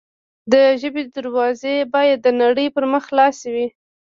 د ژبې دروازې باید د نړۍ پر مخ خلاصې وي.